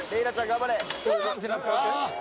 頑張れ。